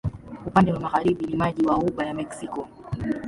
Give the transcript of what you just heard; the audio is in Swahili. Upande wa magharibi ni maji wa Ghuba ya Meksiko.